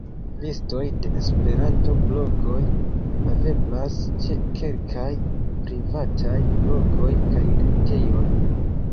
Listoj de esperanto-blogoj haveblas ĉe kelkaj privataj blogoj kaj retejoj.